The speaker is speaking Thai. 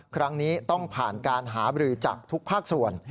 ครั้งนี้ต้องผ่านการหาบรือจากทุกภาคส่วน